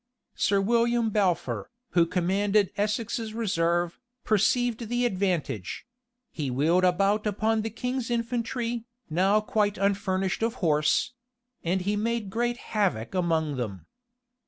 Sir William Balfour, who commanded Essex's reserve, perceived the advantage: he wheeled about upon the king's infantry, now quite unfurnished of horse; and he made great havoc among them.